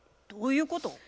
どういうこと？